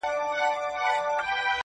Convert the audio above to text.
• قرباني بې وسه پاتې کيږي تل..